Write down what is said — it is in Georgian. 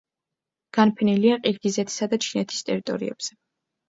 განფენილია ყირგიზეთისა და ჩინეთის ტერიტორიებზე.